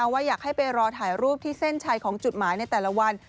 ว่าอยากให้ไปรอถ่ายรูปที่เส้นชัยของจุดหมายในแต่ละวัน